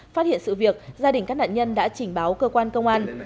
phát hiện sự việc gia đình các nạn nhân đã trình báo cơ quan công an